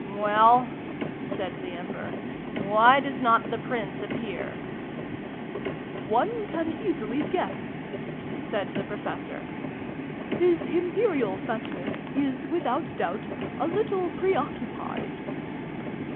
"Well?" said the Emperor. "Why does not the Prince appear ?"" One can easily guess, said the Professor. " His Imperial Fatness is, without doubt, a little preoccupied."